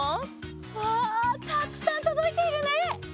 わあたくさんとどいているね。